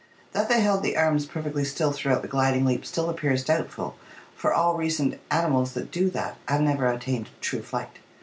That they held the arms perfectly still throughout the gliding leap still appears doubtful, for all recent animals that do that have never attained true flight.